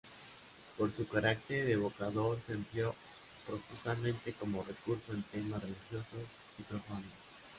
Por su carácter evocador, se empleó profusamente como recurso en temas religiosos y profanos.